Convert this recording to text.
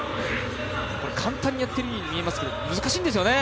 簡単にやっているように見えますけれども、難しいんですよね。